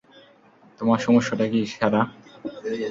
তোমার সমস্যাটা কী, স্যারা?